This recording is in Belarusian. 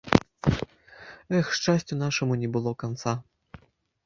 Эх, шчасцю нашаму не было канца.